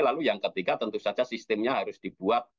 lalu yang ketiga tentu saja sistemnya harus dibuat